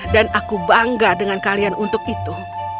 dan aku bangga dengan kalian untuk itu